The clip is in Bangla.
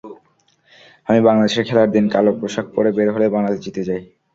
আমি বাংলাদেশের খেলার দিন কালো পোশাক পরে বের হলে বাংলাদেশ জিতে যায়।